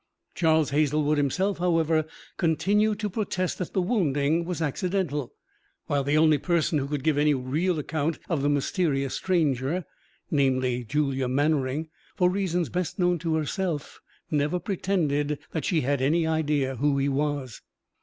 Charles Hazlewood himself, however, continued to protest that the wounding was accidental; while the only person who could give any real account of the mysterious stranger, namely Julia Mannering, for reasons best known to herself, never pretended that she had any idea who he was.